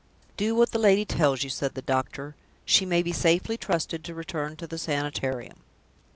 "Do what the lady tells you," said the doctor. "She may be safely trusted to return to the Sanitarium."